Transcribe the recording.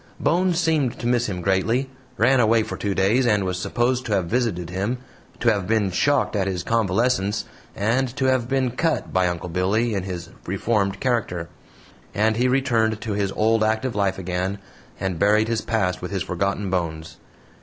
Bones seemed to miss him greatly, ran away for two days, and was supposed to have visited him, to have been shocked at his convalescence, and to have been "cut" by Uncle Billy in his reformed character; and he returned to his old active life again, and buried his past with his forgotten bones.